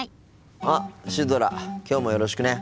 あっシュドラきょうもよろしくね。